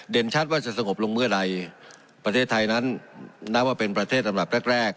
ชัดว่าจะสงบลงเมื่อใดประเทศไทยนั้นนับว่าเป็นประเทศลำดับแรกแรก